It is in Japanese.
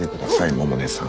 百音さん。